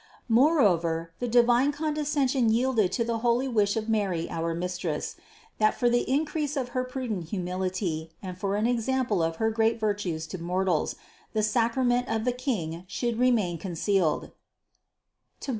664. Moreover the divine condescension yielded to the holy wish of Mary our Mistress, that, for the increase of her prudent humility and for an example of her great virtues to mortals, the sacrament of the King should re main concealed (Tob.